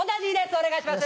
お願いします。